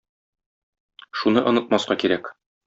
Шуны онытмаска кирәк.